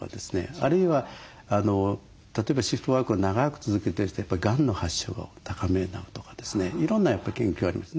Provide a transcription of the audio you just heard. あるいは例えばシフトワークを長く続けてる人はやっぱりがんの発症が高めになるとかですねいろんな研究がありますね。